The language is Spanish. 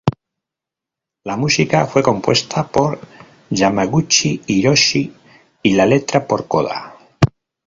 La música fue compuesta por Yamaguchi Hiroshi y la letra por Koda.